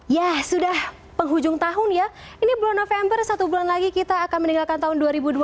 ya sudah penghujung tahun ya ini bulan november satu bulan lagi kita akan meninggalkan tahun dua ribu dua puluh